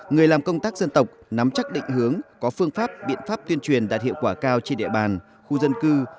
người làm công tác dân tộc nắm chắc định hướng có phương pháp biện pháp tuyên truyền đạt hiệu quả cao trên địa bàn khu dân cư